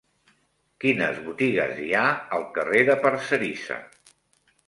Quines botigues hi ha al carrer de Parcerisa?